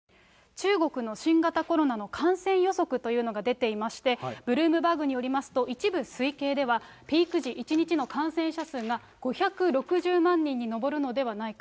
中国の新型コロナの感染予測というのが出ていまして、ブルームバーグによりますと、一部推計ではピーク時、１日の感染者数が５６０万人に上るのではないか。